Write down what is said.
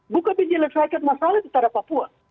bukan menyelesaikan masalah di tanah papua